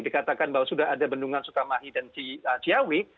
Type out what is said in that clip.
dikatakan bahwa sudah ada bendungan sukamahi dan ciawi